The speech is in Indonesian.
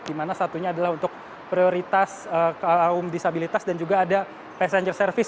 di mana satunya adalah untuk prioritas kaum disabilitas dan juga ada passenger service